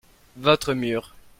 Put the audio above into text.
votre mur.